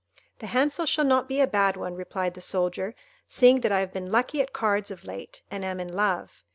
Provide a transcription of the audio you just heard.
"The hansel shall not be a bad one," replied the soldier, "seeing that I have been lucky at cards of late, and am in love.